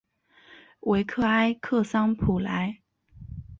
维克埃克桑普莱。